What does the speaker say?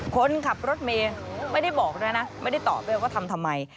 คนขับรถเมย์ไม่ได้บอกด้วยนะไม่ได้ตอบด้วยว่าทำทำไม